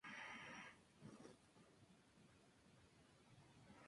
Como periodista colaboró en las páginas de "La Época".